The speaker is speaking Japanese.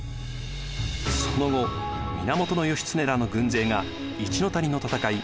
その後源義経らの軍勢が一の谷の戦い